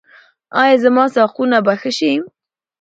ایا زما ساقونه به ښه شي؟